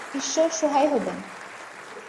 ঈশ্বর সহায় হবেন।